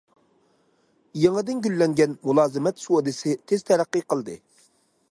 يېڭىدىن گۈللەنگەن مۇلازىمەت سودىسى تېز تەرەققىي قىلدى.